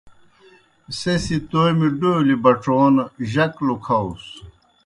سہ سی تومیْ ڈولیْ بڇون جک لُکھاؤس۔